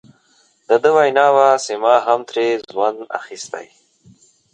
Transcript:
د ده وینا وه چې ما هم ترې ژوند اخیستی.